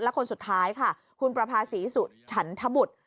และคนสุดท้ายค่ะคุณประภาษีสุฉันทบุตร